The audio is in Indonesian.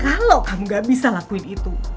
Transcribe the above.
kalau kamu gak bisa lakuin itu